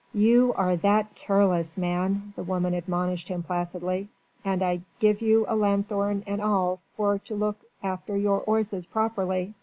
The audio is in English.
"You are that careless, man!" the woman admonished him placidly, "and I give you a lanthorn and all for to look after your 'orzes properly."